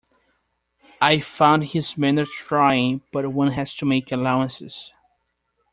I found his manner trying, but one has to make allowances.